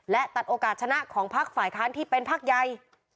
และตัดโอกาสชนะของภาคฝ่ายค้านที่เป็นภาคใย